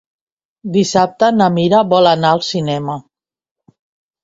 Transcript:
Dissabte na Mira vol anar al cinema.